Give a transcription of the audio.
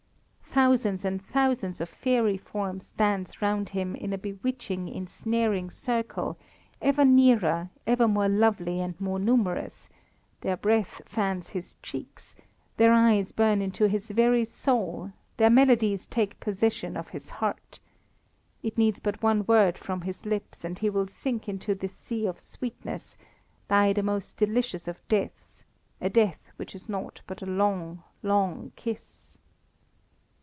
Thousands and thousands of fairy forms dance round him in a bewitching, ensnaring circle, ever nearer, ever more lovely and more numerous; their breath fans his cheeks; their eyes burn into his very soul, their melodies take possession of his heart. It needs but one word from his lips, and he will sink into this sea of sweetness, die the most delicious of deaths, a death which is nought but a long, long kiss.